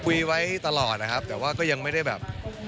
คุยไว้ตลอดนะครับแต่ว่าก็ยังไม่ได้แบบ